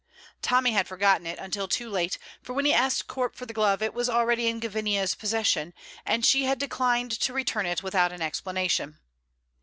Tommy had forgotten it until too late, for when he asked Corp for the glove it was already in Gavinia's possession, and she had declined to return it without an explanation.